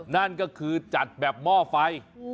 นั่นก็คือจัดแบบหม้อไฟ